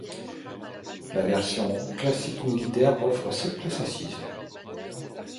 La version classique militaire offre sept places assises.